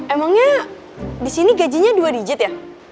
emangnya di sini gajinya dua digit ya